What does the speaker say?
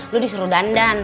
lu disuruh dandan